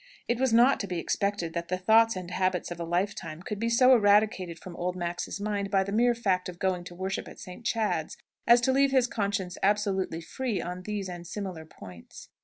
It was not to be expected that the thoughts and habits of a lifetime could be so eradicated from old Max's mind by the mere fact of going to worship at St. Chad's, as to leave his conscience absolutely free on these and similar points.